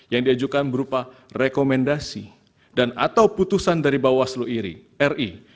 yang diajukan berupa rekomendasi dan atau putusan dari bawaslu iri ri